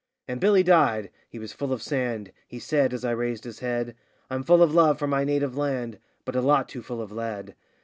And Billy died he was full of sand he said, as I raised his head: 'I'm full of love for my native land, but a lot too full of lead.